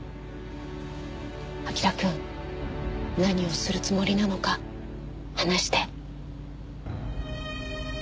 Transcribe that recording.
彬くん何をするつもりなのか話して。